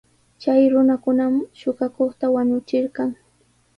Chay runakunam suqakuqta wañuchirqan.